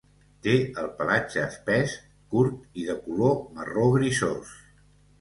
Té el pelatge espès, curt i de color marró grisós.